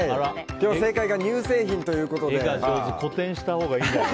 今日正解が乳製品ということで。